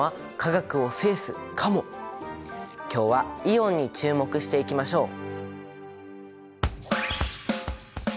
今日はイオンに注目していきましょう！